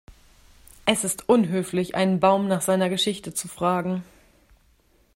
Es ist unhöflich, einen Baum nach seiner Geschichte zu fragen.